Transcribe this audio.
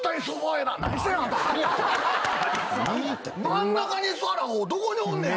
真ん中に座るアホどこにおんねん？